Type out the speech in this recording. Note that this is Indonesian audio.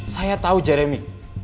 saya tahu jeremy